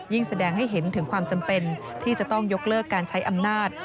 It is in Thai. แสดงให้เห็นถึงความจำเป็นที่จะต้องยกเลิกการใช้อำนาจ